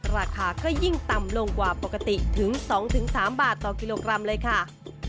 ราคาก็ยิ่งต่ำลงกว่าปกติถึง๒๓บาทต่อกิโลกรัมเลยค่ะ